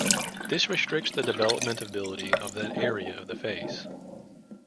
This restricts the developmental ability of that area of the face.